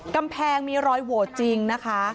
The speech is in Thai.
กำแพงมีรอยโหวตจริงนะคะ